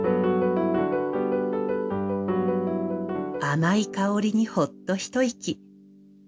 甘い香りにほっとひと息。